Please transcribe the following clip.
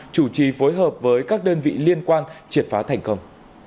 chủ trì phối hợp với các đơn vị liên quan triệt phá thành công